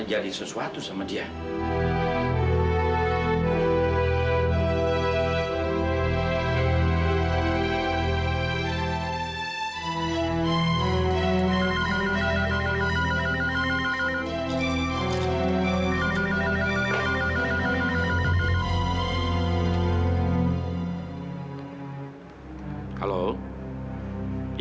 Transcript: jadi gue keluh epita sampai kenapa napa